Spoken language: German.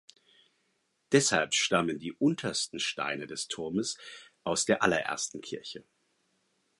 Deshalb stammen die untersten Steine des Turmes aus der allerersten Kirche.